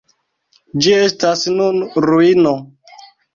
Ĝi estas nun ruino.